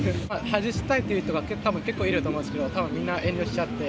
外したいという人は結構いると思うんですけれども、たぶんみんな、遠慮しちゃって。